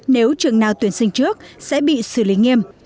nếu trường nào tuyển sinh trước sẽ bị xử lý nghiêm